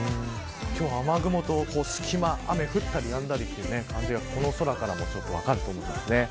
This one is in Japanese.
今日は雨雲と隙間降ったりやんだりというのが空からも分かります。